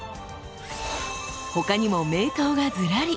他にも名刀がずらり。